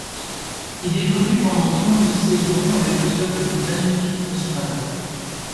Il évolue pendant onze saisons avec le club du Baník Ostrava.